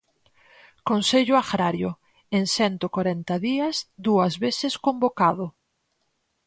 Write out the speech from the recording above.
Consello Agrario: en cento corenta días, dúas veces convocado.